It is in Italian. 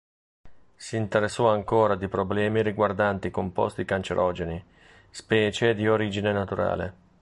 Si interessò ancora di problemi riguardanti composti cancerogeni, specie di origine naturale.